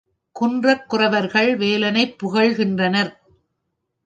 குன்றக் குறவர்கள் வேலனைப் புகழ்கின்றனர்.